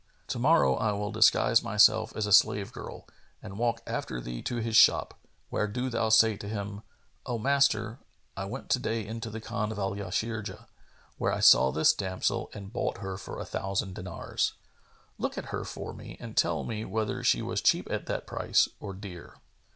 To morrow, I will disguise myself as a slave girl and walk after thee to his shop, where do thou say to him, 'O master, I went to day into the Khan of Al Yasirjнyah, where I saw this damsel and bought her for a thousand dinars. Look at her for me and tell me whether she was cheap at that price or dear.'